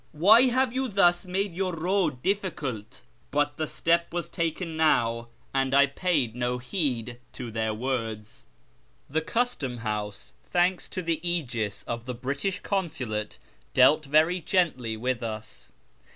Why have you thus made your road difficult ?" But the step was taken now, and I paid no heed to their words. The custom house, thanks to the fcgis of the British Consulate, dealt very gently with us.